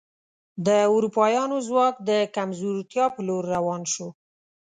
د اروپایانو ځواک د کمزورتیا په لور روان شو.